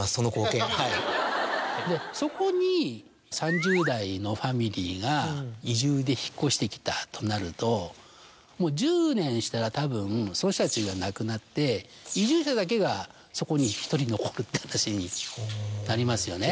そこに３０代のファミリーが移住で引っ越してきたとなるともう１０年したらたぶんその人たち以外亡くなって移住者だけがそこに１人残るって話になりますよね。